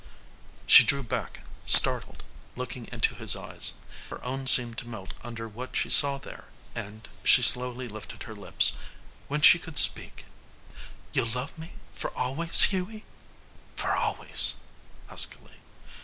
She drew back startled, looking into his eyes. Her own seemed to melt under what she saw there, and she slowly lifted her lips. When she could speak "You'll love me for always, Hughie?" "For always," huskily.